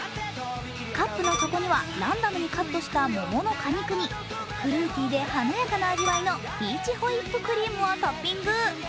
カップの底にはランダムにカットした桃の果肉に、フルーティーで華やかな味わいのピーチホイップクリームをトッピング。